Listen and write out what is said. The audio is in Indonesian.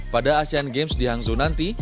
pada asean games di hangzhou nanti